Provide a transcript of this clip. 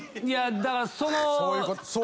いやだからその。